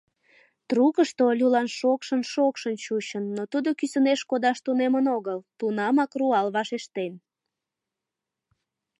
Трукышто Олюлан шокшын-шокшын чучын, но тудо кӱсынеш кодаш тунемын огыл, тунамак руал вашештен.